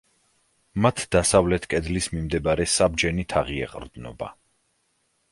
მათ დასავლეთ კედლის მიმდებარე საბჯენი თაღი ეყრდნობა.